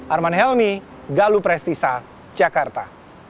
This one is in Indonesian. arman helmy galup resti saat jakarta